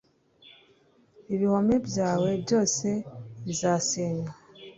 ibihome byawe byose bizasenywa